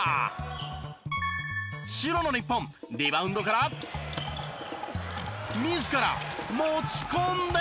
白の日本リバウンドから自ら持ち込んで。